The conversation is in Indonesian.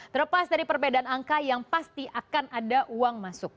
terlepas dari perbedaan angka yang pasti akan ada uang masuk